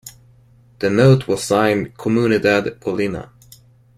The note was signed "Comunidad Colina".